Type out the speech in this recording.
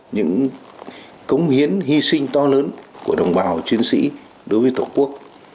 những cống hiến hy sinh to lớn của đồng bào chiến sĩ đối với tổ quốc